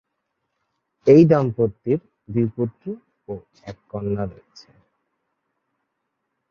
এই দম্পতির দুই পুত্র ও এক কন্যা রয়েছে।